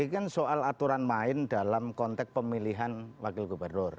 ini kan soal aturan main dalam konteks pemilihan wakil gubernur